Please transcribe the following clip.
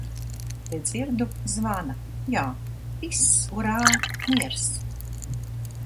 Te dzirdu - zvana. Jā. Viss. Urrā. Miers.